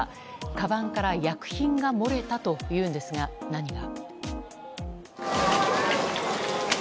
かばんから薬品が漏れたというんですが、何が。